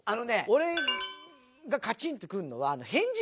俺がカチンとくるのは。